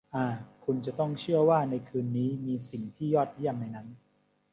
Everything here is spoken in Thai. อ่า คุณจะต้องเชื่อว่าในคืนนี้มีสิ่งที่ยอดเยี่ยมในนั้น